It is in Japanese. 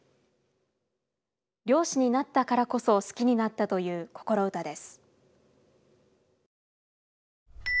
漁師になったからこそ好きになったというこころウタです。